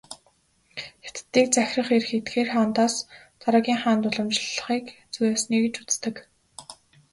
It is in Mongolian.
Хятадыг захирах эрх эдгээр хаадаас дараагийн хаанд уламжлахыг "зүй ёсны" гэж үздэг.